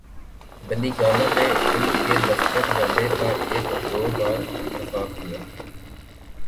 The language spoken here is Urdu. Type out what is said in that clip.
بنی گالہ میں ان کے دفتر جانے کا ایک دو بار اتفاق ہوا۔